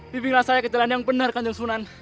pimpinlah saya ke jalan yang benar kandung sunan